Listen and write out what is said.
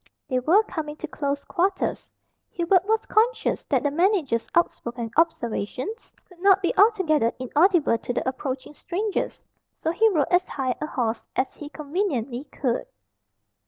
They were coming to close quarters. Hubert was conscious that the manager's outspoken observations could not be altogether inaudible to the approaching strangers. So he rode as high a horse as he conveniently could.